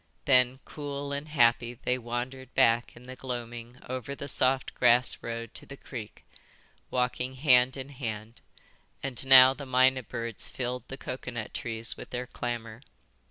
Then, cool and happy, they wandered back in the gloaming over the soft grass road to the creek, walking hand in hand, and now the mynah birds filled the coconut trees with their clamour.